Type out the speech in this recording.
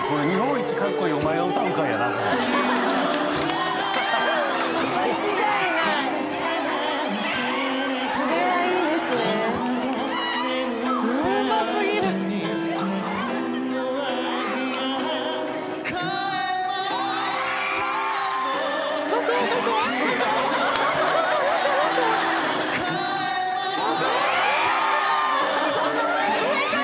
うますぎるキャ！